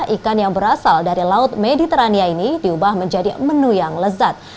ikan yang berasal dari laut mediterania ini diubah menjadi menu yang lezat